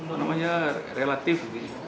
apa namanya relatif